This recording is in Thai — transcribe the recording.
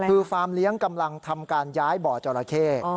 คือฟาร์มเลี้ยงกำลังทำการย้ายบ่อจราเข้